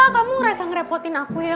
kamu rasa ngerepotin aku ya